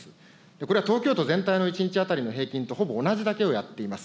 これは東京と全体の１日当たりの平均と、ほぼ同じだけをやっています。